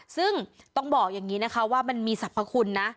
ซึ่งต้องบอกอย่างนี้นะคะว่ามันมีสรรพคุณนะ